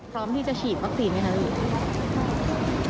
พร้อมที่จะฉีดวัคซีนไหมคะลูก